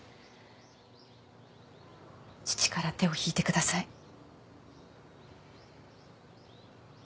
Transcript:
父から手を引いてください。